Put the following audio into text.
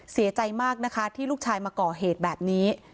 เสียใจมากนะคะที่ลูกชายมาก่อเหตุแบบนี้